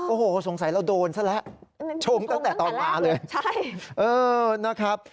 โอ้โหสงสัยเราโดนซะแล้วชงตั้งแต่ตอนมาเลยใช่เออนะครับ